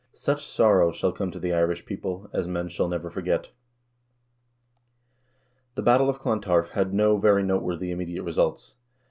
Such sorrow shall come to the Irish people, as men never shall forget." The battle of Clontarf had no very noteworthy immediate results.